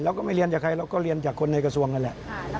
ก็ไม่เรียนจากใครเราก็เรียนจากคนในกระทรวงนั่นแหละ